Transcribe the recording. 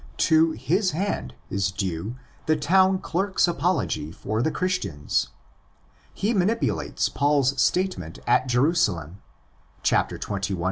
To his hand is due the town clerk's apology for the Christians. He manipulates Paul's statement at Jerusalem (xxi.